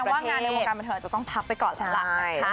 ก็แปลงว่างานในโมงการประเทศจะต้องพับไปก่อนแล้วล่ะ